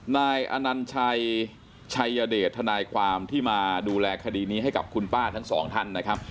นายอนัญชัยชัยเดชทนายความที่มาดูแลคดีนี้ให้กับคุณป้าทั้งสองท่านนะครับ